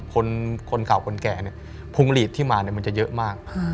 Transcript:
คนเก่าคนแก่เนี่ยพุงหลีดที่มามันจะเยอะมาก